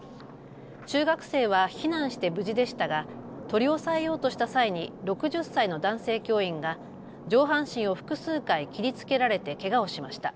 中学生は避難して無事でしたが取り押さえようとした際に６０歳の男性教員が上半身を複数回、切りつけられてけがをしました。